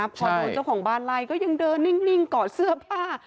พอโดนเจ้าของบ้านไล่ก็ยังเดินนิ่งกอดเสื้อผ้า